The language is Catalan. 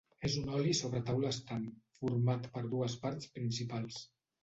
És un oli sobre taula estant, format per dues parts principals.